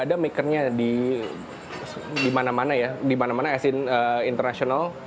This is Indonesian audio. ada banyak pembinaan kostum di luar negara